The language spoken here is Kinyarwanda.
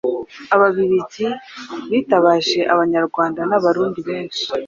Ababiligi bitabaje Abanyarwanda n'Abarundi benshi